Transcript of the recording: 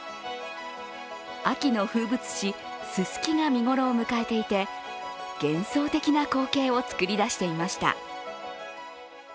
秋の風物詩、ススキが見頃を迎えていて、幻想的な光景を作り出していました。